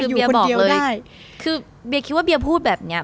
อยู่คนเดียวได้คือเบียบอกเลยคือเบียคิดว่าเบียพูดแบบเนี้ย